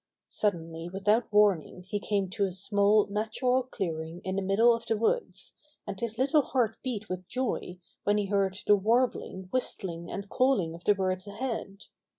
Suddenly without warning he came to a small natural clearing in the middle of the woods, and his little heart beat with joy when he heard the warbling ,whistling and calling of the birds ahead.